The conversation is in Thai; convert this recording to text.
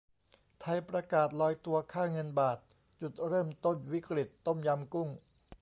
ไทยประกาศ ลอยตัวค่าเงินบาท จุดเริ่มต้น วิกฤตต้มยำกุ้ง